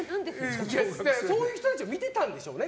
そういう人たちを見てたんでしょうね。